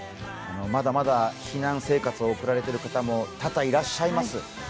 まだまだ避難生活を送られている方も多々いらっしゃいます。